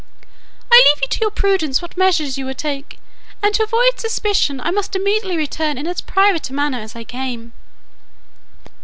"I leave to your prudence what measures you will take; and to avoid suspicion, I must immediately return in as private a manner as I came."